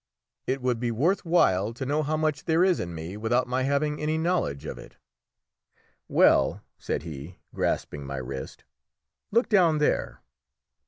It would be worth while to know how much there is in me without my having any knowledge of it." "Well," said he, grasping my wrist, "look down there!"